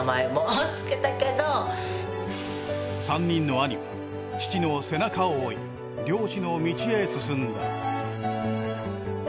３人の兄は父の背中を追い漁師の道へ進んだ。